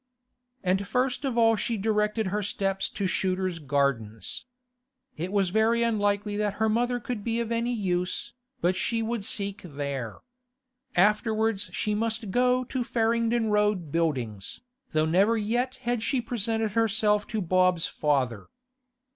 And first of all she directed her steps to Shooter's Gardens. It was very unlikely that her mother could be of any use, but she would seek there. Afterwards she must go to Farringdon Road Buildings, though never yet had she presented herself to Bob's father.